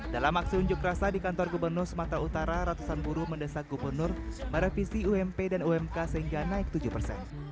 dalam aksi unjuk rasa di kantor gubernur sumatera utara ratusan buruh mendesak gubernur merevisi ump dan umk sehingga naik tujuh persen